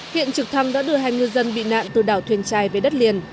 hiện trực thăng đã đưa hai ngư dân bị nạn từ đảo thuyền trài về đất liền